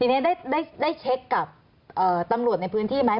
ทีนี้ได้เช็คกับตำรวจในพื้นที่ไหม